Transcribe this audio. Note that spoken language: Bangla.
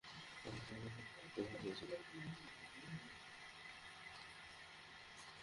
আদালতের বাইরে কোনো উকিলের খুন হয়েছিলো।